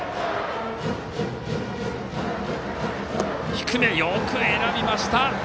低め、よく選びました。